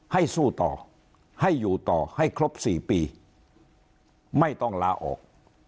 สู้ต่อให้อยู่ต่อให้ครบ๔ปีไม่ต้องลาออก